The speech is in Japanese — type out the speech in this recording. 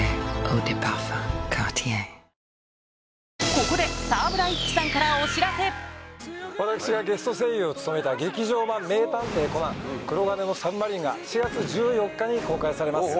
ここで私がゲスト声優を務めた劇場版『名探偵コナン黒鉄の魚影』が４月１４日に公開されます。